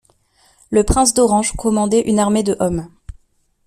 Le prince d'Orange commandait une armée de hommes.